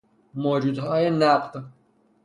موجودیهای نقد